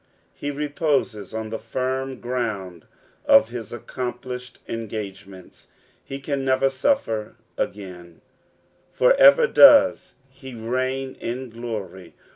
Ho reposes on the firm ground of his accomplished engagements ; he can never sufier again ; for ever does he reign in glory.'